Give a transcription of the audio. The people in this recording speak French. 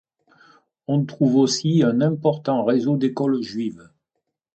On trouve aussi un important réseau d'écoles juives.